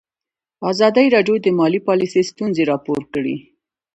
ازادي راډیو د مالي پالیسي ستونزې راپور کړي.